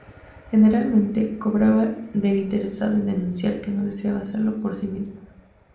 Generalmente cobraba del interesado en denunciar, que no deseaba hacerlo por sí mismo.